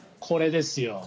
これですよ。